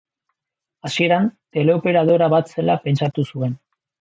Hasieran teleoperadora bat zela pentsatu zuen.